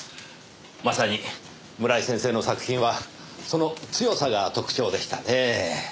まさに村井先生の作品はその強さが特徴でしたねぇ。